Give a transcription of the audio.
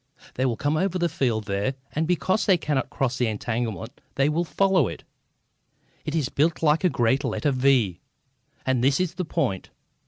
"They will come over the field there, and because they cannot cross the entanglement they will follow it. It is built like a great letter V, and this is the point."